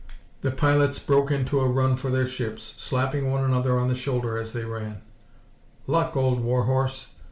The pilots broke into a run for their ships, slapping one another on the shoulder as they ran. "Luck, old war horse."